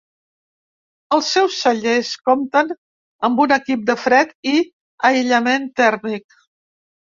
Els seus cellers compten amb un equip de fred i aïllament tèrmic.